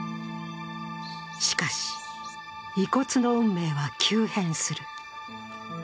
しかし、遺骨の運命は急変する。